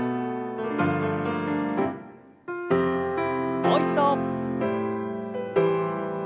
もう一度。